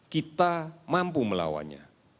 kita mampu melawannya